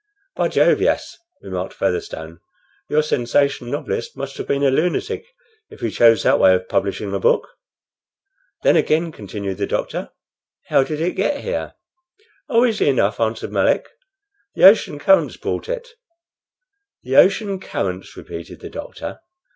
"By Jove! yes," remarked Featherstone. "Your sensation novelist must have been a lunatic if he chose that way of publishing a book." "Then, again," continued the doctor, "how did it get here?" "Oh, easily enough," answered Melick. "The ocean currents brought it." "The ocean currents!" repeated the doctor.